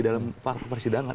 dalam prosedur persidangan